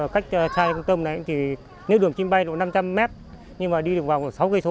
cách chai con tôm này thì nếu đường kim bay là năm trăm linh m nhưng mà đi được vòng sáu km